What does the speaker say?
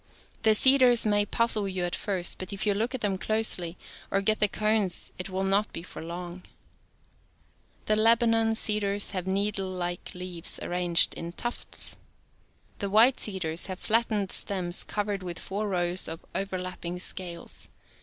fThe cedars may puz zle )uii It first, but if you look at tliLm closely, or get the cones it will not be for long. g LSAM R. ^j^^ Lebanon cedars have nee dlelike leaves arranged in tufts. The white cedars have flattened stems covered with four rows of overlapping scales.